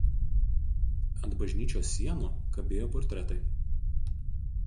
Ant bažnyčios sienų kabėjo portretai.